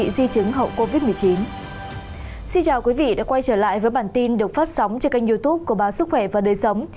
xin chào quý vị đã quay trở lại với bản tin được phát sóng trên kênh youtube của báo sức khỏe và đời sống